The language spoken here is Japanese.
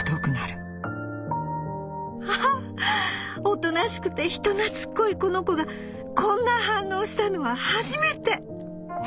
『おとなしくて人懐っこいこの子がこんな反応をしたのは初めて！